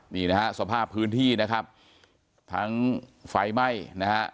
นี่นะฮะสภาพพื้นที่นะครับทั้งไฟไหม้นะฮะ